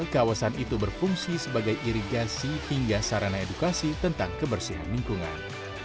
kawasan itu berfungsi sebagai irigasi hingga sarana edukasi tentang kebersihan lingkungan